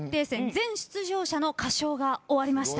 全出場者の歌唱が終わりました。